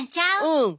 うん。